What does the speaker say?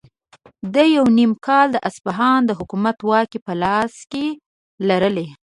ده یو نیم کال اصفهان د حکومت واکې په خپل لاس کې لرلې.